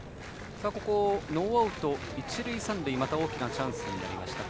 ここはノーアウト一塁三塁とまた大きなチャンスになりました。